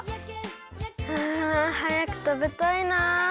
あはやくたべたいなあ。